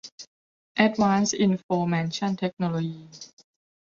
แอ็ดวานซ์ อินฟอร์เมชั่น เทคโนโลยี